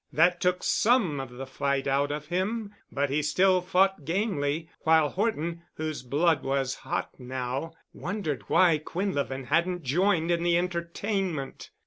That took some of the fight out of him, but he still fought gamely, while Horton, whose blood was hot now, wondered why Quinlevin hadn't joined in the entertainment.